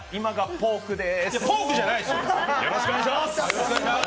ポークじゃないですよ！